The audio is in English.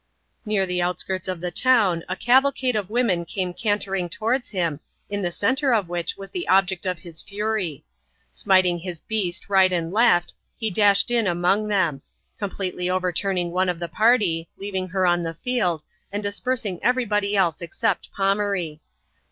Near the outskirts of the town, a cavalcade of women came cantering towards him, in the centre of which was the object of his fury. Smiting his beast right and left, he dashed in among them; completely overturning one of the party, leaving her on the field, and dispersing every body else except Pomaree.